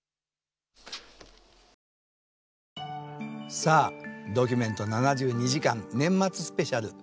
さあ「ドキュメント７２時間年末スペシャル」